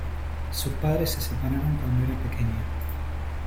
Sus padres se separaron cuando era pequeña.